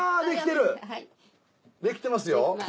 できてますよ。